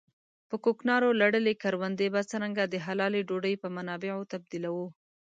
په کوکنارو لړلې کروندې به څرنګه د حلالې ډوډۍ په منابعو تبديلوو.